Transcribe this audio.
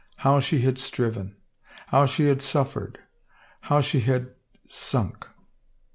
How she had striven! How she had suf fered ! How she had — sunk.